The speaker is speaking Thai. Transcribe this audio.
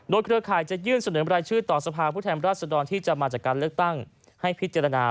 โดยเครือข่ายจะยื่นเสนอรายชื่อต่อสภาพผู้แทนราชดรที่จะมาจากการเลือกตั้งให้พิจารณา